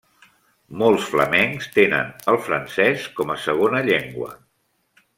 Molts flamencs tenen el francès com a segona llengua.